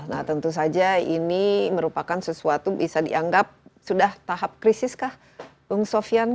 nah tentu saja ini merupakan sesuatu bisa dianggap sudah tahap krisiskah bung sofyan